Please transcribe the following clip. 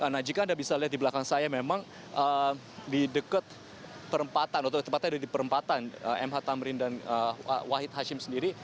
nah jika anda bisa lihat di belakang saya memang di dekat perempatan atau tempatnya ada di perempatan mh tamrin dan wahid hashim sendiri